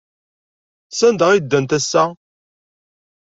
Sanda ay ddant ass-a?